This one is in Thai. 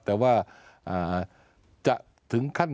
แต่ว่าจะถึงขั้น